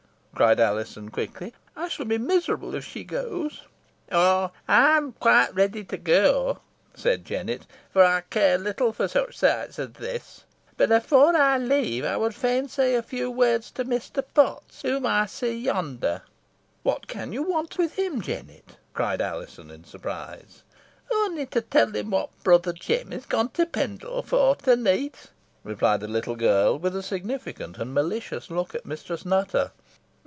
cried Alizon, quickly; "I shall be miserable if she goes." "Oh, ey'm quite ready to go," said Jennet, "fo ey care little fo sich seets os this boh efore ey leave ey wad fain say a few words to Mester Potts, whom ey see yonder." "What can you want with him, Jennet," cried Alizon, in surprise. "Onny to tell him what brother Jem is gone to Pendle fo to neet," replied the little girl, with a significant and malicious look at Mistress Nutter.